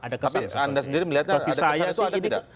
tapi anda sendiri melihatnya ada kesan atau tidak